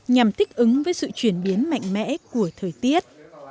nhằm thích ứng với sự chuyển biến mạnh mẽ của thời tiết